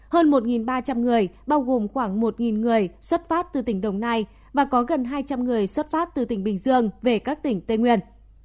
hơn một ba trăm linh người bao gồm khoảng một người xuất phát từ tỉnh đồng nai và có gần hai trăm linh người xuất phát từ tỉnh bình dương về các tỉnh tây nguyên